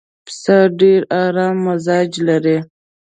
پسه ډېر ارام مزاج لري.